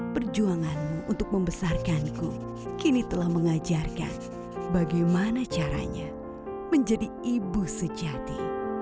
perjuanganmu untuk membesarkanku kini telah mengajarkan bagaimana caranya menjadi ibu sejati